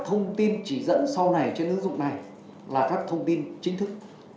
ứng dụng này trên ứng dụng này là các thông tin chính thức